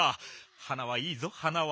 花はいいぞ花は。